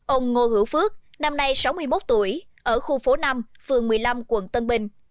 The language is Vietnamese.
ông ngô hữu phước năm nay sáu mươi một tuổi ở khu phố năm phường một mươi năm quận tân bình